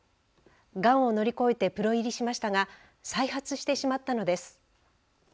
がんを乗り越えてプロ入りしましたが再発してしまったのです。